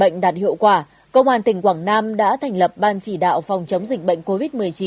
bệnh đạt hiệu quả công an tỉnh quảng nam đã thành lập ban chỉ đạo phòng chống dịch bệnh covid một mươi chín